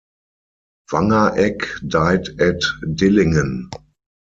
Wangereck died at Dillingen.